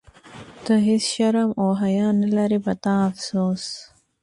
ته هیڅ شرم او حیا نه لرې، په تا افسوس.